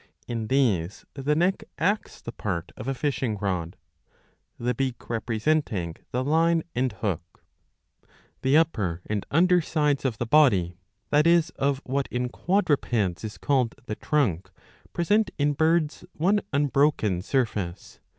In these the neck acts the part of a fishing rod, the beak representing the line and hook. The upper and under sides of the body, that is of what in quadrupeds is called the trunk, present in birds one unbroken surface.